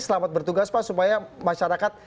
selamat bertugas pak supaya masyarakat